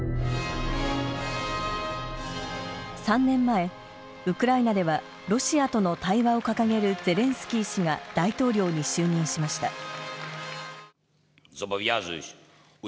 ３年前ウクライナではロシアとの対話を掲げるゼレンスキー氏が大統領に就任しました。